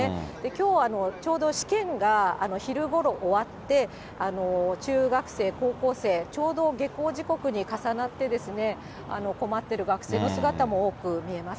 きょうはちょうど試験が昼ごろ終わって、中学生、高校生、ちょうど下校時刻に重なって、困っている学生の姿も多く見えます。